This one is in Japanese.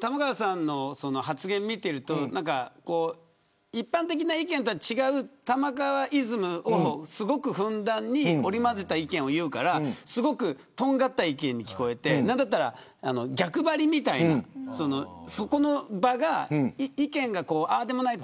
玉川さんの発言を見ていると一般的な意見とは違う玉川イズムをすごく、ふんだんに織り交ぜた意見を言うからとんがった意見に聞こえて何だったら逆張りみたいなそこの場の意見があーでもない